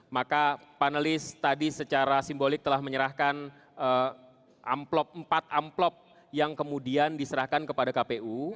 maka panelis tadi secara simbolik telah menyerahkan amplop empat amplop yang kemudian diserahkan kepada kpu